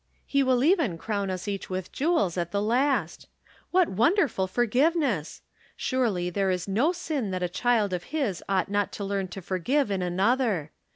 He will even crown us each with jewels at the last. What wonderful forgiveness ! Surely there is no sin that a child of his ought not to learn to forgive in another.